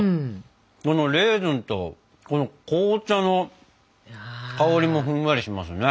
このレーズンとこの紅茶の香りもふんわりしますね。